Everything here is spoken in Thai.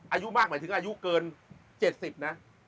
อายุมากหมายถึงอายุเกิน๗๐นะ